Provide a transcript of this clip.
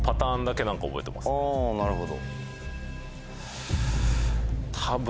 なるほど。